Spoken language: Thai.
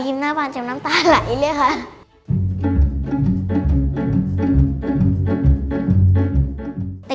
หน้าบานเต็มน้ำตาไหลเลยค่ะ